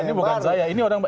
ini bukan saya ini orang